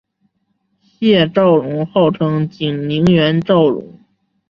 谢昭容号称景宁园昭容。